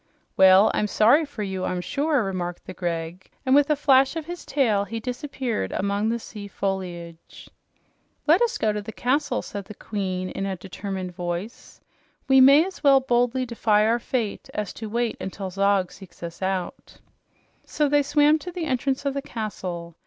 "Well, I'm sorry for you, I'm sure," remarked the Greg, and with a flash of his tail, he disappeared among the sea foliage. "Let us go to the castle," said the Queen in a determined voice. "We may as well boldly defy our fate as to wait until Zog seeks us out." So they swam to the entrance of the castle.